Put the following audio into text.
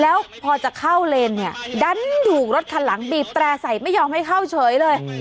แล้วพอจะเข้าเลนเนี่ยดันถูกรถคันหลังบีบแตร่ใส่ไม่ยอมให้เข้าเฉยเลย